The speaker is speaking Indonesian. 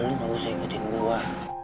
lu gak usah ingetin gue